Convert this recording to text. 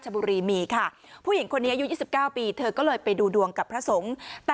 บ้าง